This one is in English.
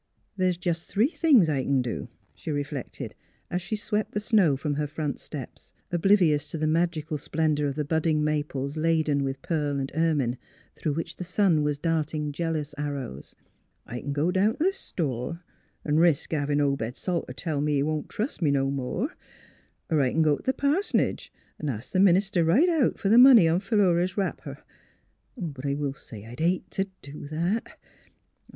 " The's jes' three things I c'n do," she reflected, as she swept the snow from her front steps, ob livious to the magical splendor of the budding maples laden with pearl and ermine, through which the sun was darting jealous arrows: "I c'n go down t' th' store 'n' resk havin' Obed Salter tell me he won't trust me no more; er I c'n go t' th' pars'nage 'n' ask th' minister right out f'r the money on Philura's wrapper ... but I will say I'd hate t' do that.